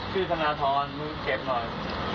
ธนทรมึงเก็บหน่อย